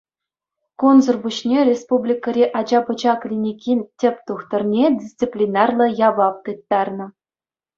Кунсӑр пуҫне Республикари ача-пӑча клиникин тӗп тухтӑрне дисциплинарлӑ явап тыттарнӑ.